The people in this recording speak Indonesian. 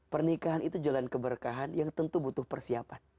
pernikahan itu jalan keberkahan yang tentu butuh persiapan